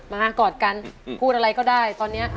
มากอดกันพูดอะไรก็ได้ตอนนี้